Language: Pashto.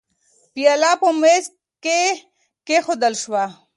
پیاله په مېز کې کېښودل شوه.